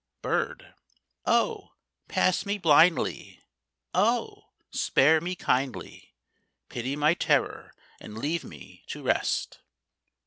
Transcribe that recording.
BIRD. Oh! pass me blindly, Oh! spare me kindly, Pity my terror, and leave me to rest.